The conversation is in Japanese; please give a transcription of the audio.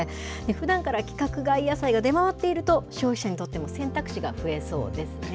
ふだんから規格外野菜が出回っていると、消費者にとっての選択肢が増えそうですね。